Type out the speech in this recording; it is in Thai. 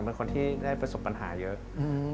เป็นคนที่ได้ประสบปัญหาเยอะ